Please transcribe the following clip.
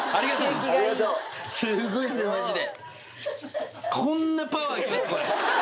すごいっすねマジで！